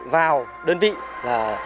vào đơn vị là